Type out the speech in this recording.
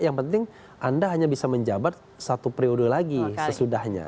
yang penting anda hanya bisa menjabat satu periode lagi sesudahnya